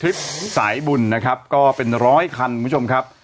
คลิปสายบุญนะครับก็เป็นร้อยคันคุณผู้ชมครับ